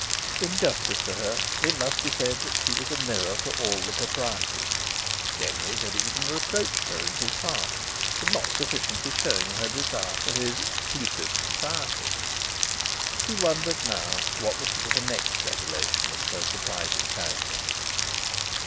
In justice to her, it must be said that she was a mirror for all the proprieties. Denry had even reproached her, in his heart, for not sufficiently showing her desire for his exclusive society. He wondered, now, what was to be the next revelation of her surprising character.